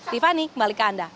tiffany kembali ke anda